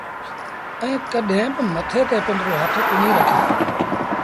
ائيٚݩ ڪڏهين با مٿي تي پنڊرو هٿ ڪونهيٚ رکي